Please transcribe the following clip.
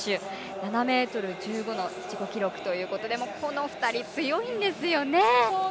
７ｍ１５の自己記録ということでこの２人、強いんですよね。